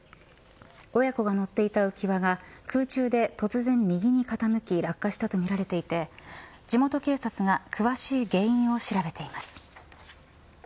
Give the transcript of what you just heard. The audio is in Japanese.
親子が乗っていた浮き輪が空中で突然、右に傾き落下したとみられていて元警察が詳しい原因を調べています。